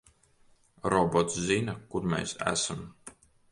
Robots zina, kur mēs esam.